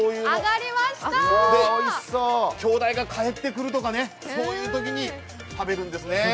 兄弟が帰ってくるとかそういうときに食べるんですね。